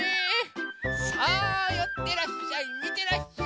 さあよってらっしゃいみてらっしゃい。